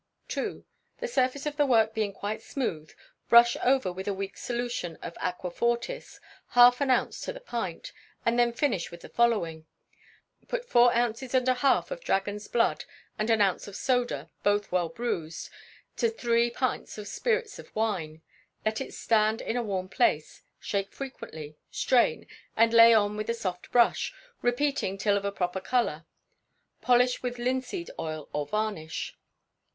ii. The surface of the work being quite smooth, brush over with a weak solution of aquafortis, half an ounce to the pint, and then finish with the following: Put four ounces and a half of dragon's blood and an ounce of soda, both well bruised, to three pints of spirits of wine; let it stand in a warm place, shake frequently, strain, and lay on with a soft brush, repeating till of a proper colour; polish with linseed oil or varnish.